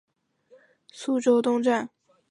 未来这里靠近规划中的苏州东站。